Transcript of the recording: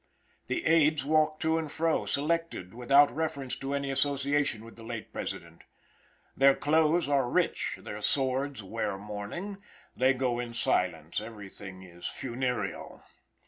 The aids walk to and fro, selected without reference to any association with the late President. Their clothes are rich, their swords wear mourning, they go in silence, everything is funereal.